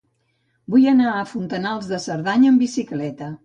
Vull anar a Fontanals de Cerdanya amb bicicleta.